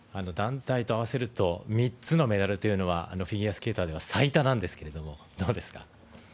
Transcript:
団体と合わせると３つのメダルというのはフィギュアスケーターでは最多なんですけれどもどうですか？